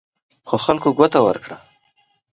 خو خلکو ګوته ورکړه.